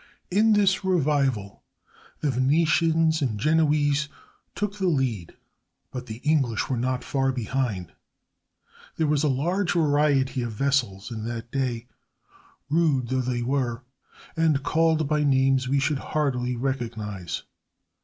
In this revival the Venetians and Genoese took the lead, but the English were not far behind. There was a large variety of vessels in that day, rude though they were, and called by names we should hardly recognize.